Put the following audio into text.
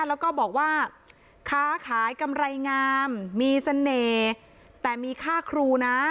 แล้วก็บอกว่าค้าขายกำไรงามมีเสน่ห์แต่มีค่าครูนะ